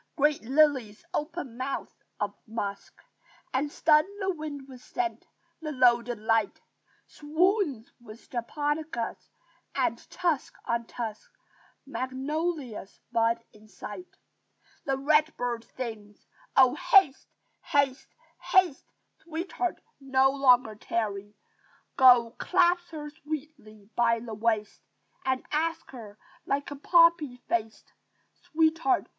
Great lilies open mouths of musk And stun the wind with scent; the loaded light Swoons with japonicas; and, tusk on tusk, Magnolias bud in sight. The red bird sings, "Oh, haste, haste, haste! Sweetheart! no longer tarry! Go, clasp her sweetly by the waist! And ask her, like a poppy faced, Sweetheart!